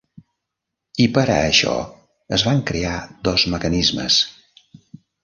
I per a això es van crear dos mecanismes.